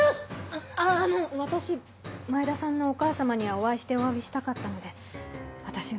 あっあの私前田さんのお母様にはお会いしておわびしたかったので私が。